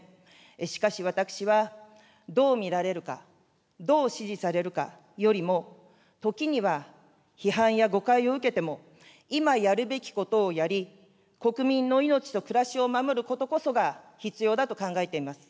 しかし私はどう見られるか、どう支持されるかよりも、ときには批判や誤解を受けても今やるべきことをやり、国民の命と暮らしを守ることこそが必要だと考えています。